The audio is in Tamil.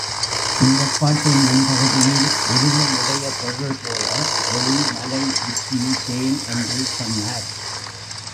இந்தப் பாட்டின் முன்பகுதியில் உருவம் உடைய பொருள்போல ஒளி, மலை, உச்சி, தேன் என்று சொன்னார்.